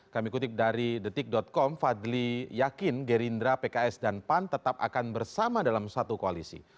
kami kutip dari detik com fadli yakin gerindra pks dan pan tetap akan bersama dalam satu koalisi